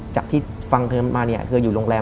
จากที่ฟังเธอมาคืออยู่โรงแรม